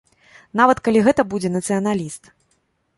Нават калі гэта будзе нацыяналіст.